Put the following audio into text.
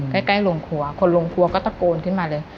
ใกล้โรงครัวคนโรงครัวก็ตะโกนขึ้นมาเลย